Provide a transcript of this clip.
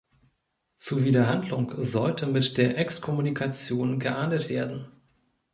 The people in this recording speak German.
Zuwiderhandlung sollte mit der Exkommunikation geahndet werden.